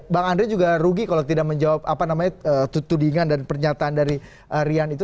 bang andre juga rugi kalau tidak menjawab apa namanya tudingan dan pernyataan dari rian itu